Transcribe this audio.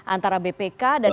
antara bpk dan kepentingan